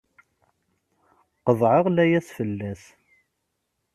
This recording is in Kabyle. Qeḍɛeɣ layas fell-as!